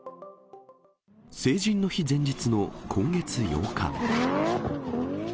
成人の日前日の今月８日。